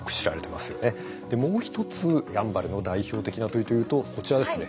もう一つやんばるの代表的な鳥というとこちらですね